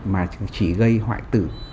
mà chỉ gây hoại tử